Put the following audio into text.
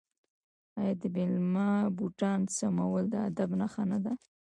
آیا د میلمه بوټان سمول د ادب نښه نه ده؟